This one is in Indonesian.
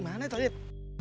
mana itu yuk